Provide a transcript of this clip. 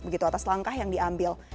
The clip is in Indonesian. begitu atas langkah yang diambil